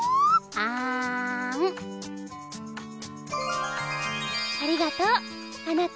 ありがとうあなた。